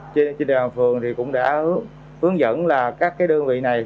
trên địa bàn phường thì cũng đã hướng dẫn là các đơn vị này